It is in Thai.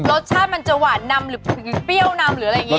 รสชาติมันจะหวานนำหรือถึงเปรี้ยวนำหรืออะไรอย่างนี้